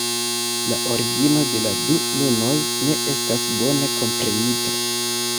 La origino de la du lunoj ne estas bone komprenita.